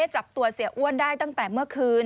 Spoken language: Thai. จับตัวเสียอ้วนได้ตั้งแต่เมื่อคืน